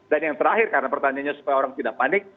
dan yang terakhir karena pertanyaannya supaya orang tidak panik